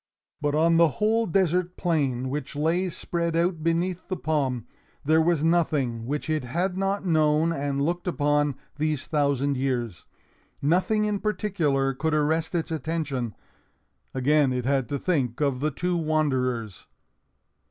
But on the whole desert plain, which lay spread out beneath the palm, there was nothing which it had not known and looked upon these thousand years. Nothing in particular could arrest its attention. Again it had to think of the two wanderers.